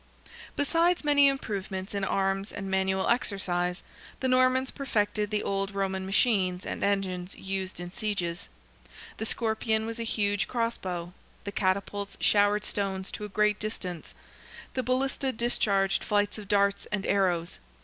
Besides many improvements in arms and manual exercise, the Normans perfected the old Roman machines and engines used in sieges. The scorpion was a huge cross bow, the catapults showered stones to a great distance; the ballista discharged flights of darts and arrows.